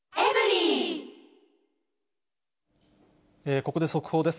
ここで速報です。